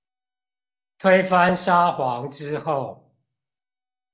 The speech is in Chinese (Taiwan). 推翻沙皇之後